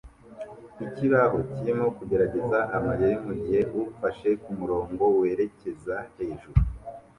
Ikibaho kirimo kugerageza amayeri mugihe ufashe kumurongo werekeza hejuru